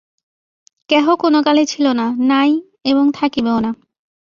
কেহ কোন কালে ছিল না, নাই এবং থাকিবেও না।